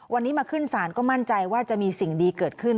วันนี้มาขึ้นศาลก็มั่นใจว่าจะมีสิ่งดีเกิดขึ้น